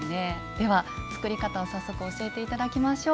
では作り方を早速教えて頂きましょう。